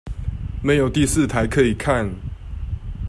沒有第四台可以看